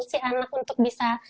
si anak untuk bisa